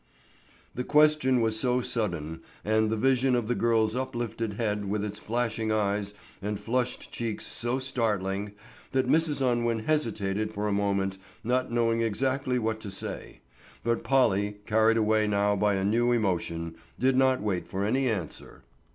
The question was so sudden, and the vision of the girl's uplifted head with its flashing eyes and flushed cheeks so startling, that Mrs. Unwin hesitated for a moment, not knowing exactly what to say. But Polly, carried away now by a new emotion, did not wait for any answer.